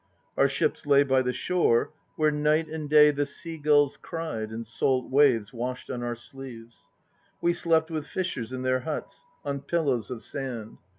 Our ships lay by the shore, where night and day The sea gulls cried and salt waves washed on our sleeves. We slept with fishers in their huts On pillows of sand.